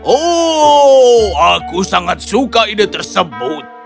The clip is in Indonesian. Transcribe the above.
oh aku sangat suka ide tersebut